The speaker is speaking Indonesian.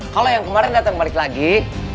kalau yang kemarin datang balik lagi